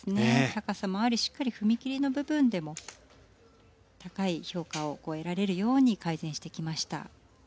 高さもありしっかり踏み切りの部分でも高い評価を得られるように改善してきました。